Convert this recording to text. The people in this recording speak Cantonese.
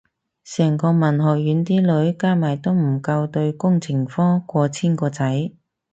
成個文學院啲女加埋都唔夠對工程科過千個仔